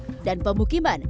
penduduk dan pemukiman